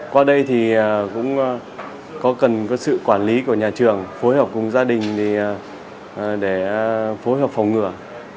qua đây thì cũng có cần sự quản lý của nhà trường phối hợp cùng gia đình để phối hợp phòng ngừa